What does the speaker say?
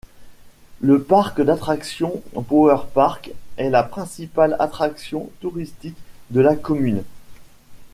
Le parc d'attractions PowerPark est la principale attraction touristique de la commune.